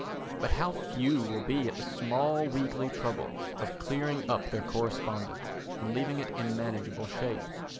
But how few will be at the small weekly trouble of clearing up their correspondence and leaving it in manageable shape!